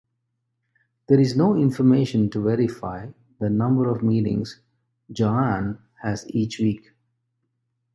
There is no information to verify the number of meetings Johan has each week.